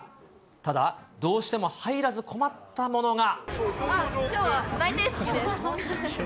ただ、どうしても入らず困ったものが。